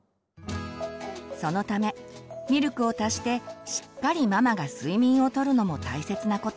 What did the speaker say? そのためミルクを足してしっかりママが睡眠をとるのも大切なこと。